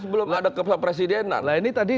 belum ada kepesawat presidenan nah ini tadi